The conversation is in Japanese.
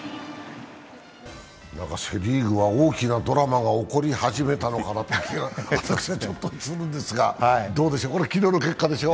セ・リーグは大きなドラマが起こり始めたのかなという気が私はするんですが、どうでしょう、これ昨日の結果でしょ。